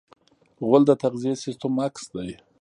غول د تغذیې سیستم عکس دی.